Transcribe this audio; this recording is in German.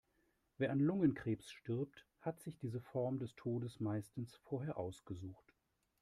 Wer an Lungenkrebs stirbt, hat sich diese Form des Todes meistens vorher ausgesucht.